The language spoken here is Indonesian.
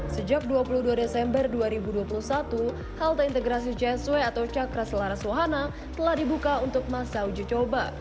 sejak dua puluh dua desember dua ribu dua puluh satu halte integrasi jsw atau cakra selara suhana telah dibuka untuk masa uji coba